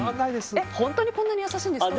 本当にこんなに優しいんですか？